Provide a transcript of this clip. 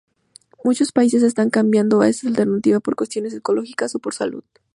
Muchos países están cambiando a esta alternativa por cuestiones ecológicas o por salud.